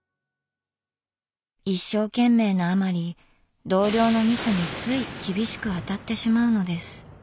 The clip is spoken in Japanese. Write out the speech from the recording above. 一生懸命なあまり同僚のミスについ厳しく当たってしまうのです。